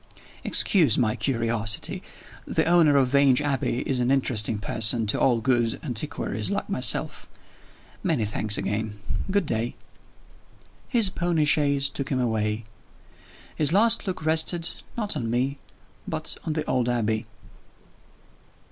"Excuse my curiosity. The owner of Vange Abbey is an interesting person to all good antiquaries like myself. Many thanks again. Good day." His pony chaise took him away. His last look rested not on me but on the old Abbey.